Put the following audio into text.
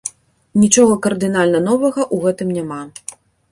Нічога кардынальна новага ў гэтым няма.